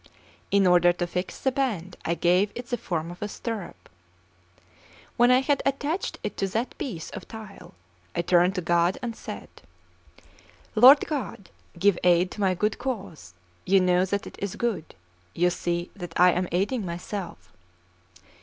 In order to fix the band, I gave it the form of a stirrup. When I had attached it to that piece of tile, I turned to God and said: "Lord God, give aid to my good cause; you know that it is good; you see that I am aiding myself."